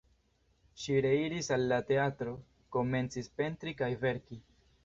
Ŝi reiris al la teatro, komencis pentri kaj verki.